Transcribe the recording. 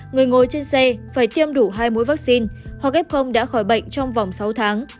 người ngồi trên xe phải tiêm đủ hai mũi vaccine hoặc f đã khỏi bệnh trong vòng sáu tháng